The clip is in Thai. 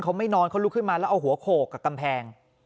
เขาไม่นอนเขาลุกขึ้นมาแล้วเอาหัวโขกกับกำแพง